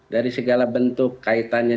dari segala bentuk kaitannya